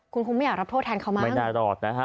คุณคงไม่อยากรับโทษแทนเขามั้ง